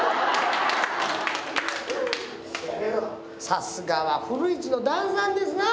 さすがは古市の旦さんですな。